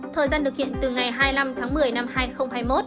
thời gian thực hiện từ ngày hai mươi năm tháng một mươi năm hai nghìn hai mươi một